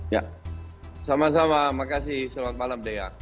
ya sama sama makasih selamat malam dea